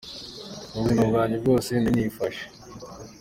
Mu buzima bwanjye bwose nari nifashe.